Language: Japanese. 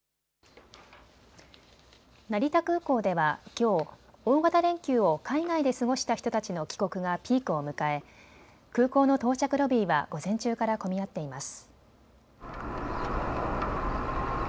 成田空港ではきょう大型連休を海外で過ごした人たちの帰国がピークを迎え空港の到着ロビーは午前中から混み合っています。